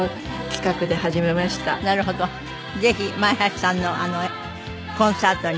ぜひ前橋さんのコンサートに。